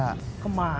ada kontak sama saeb